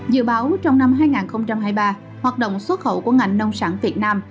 dự báo trong năm hai nghìn hai mươi ba hoạt động xuất khẩu của ngành nông sản việt nam